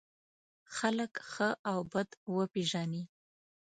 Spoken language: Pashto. خلک ښه او بد وپېژني.